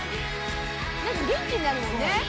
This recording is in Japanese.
「元気になるもんね」